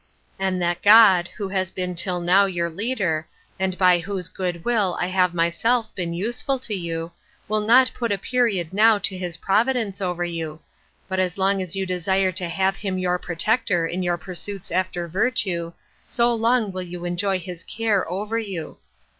And that God, who has been till now your Leader, and by whose goodwill I have myself been useful to you, will not put a period now to his providence over you, but as long as you desire to have him your Protector in your pursuits after virtue, so long will you enjoy his care over you.